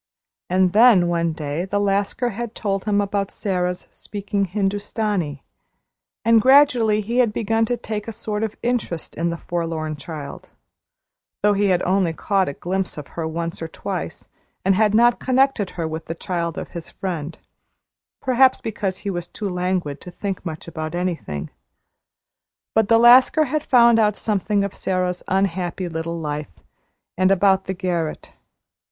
And then one day the Lascar had told him about Sara's speaking Hindustani, and gradually he had begun to take a sort of interest in the forlorn child, though he had only caught a glimpse of her once or twice and he had not connected her with the child of his friend, perhaps because he was too languid to think much about anything. But the Lascar had found out something of Sara's unhappy little life, and about the garret.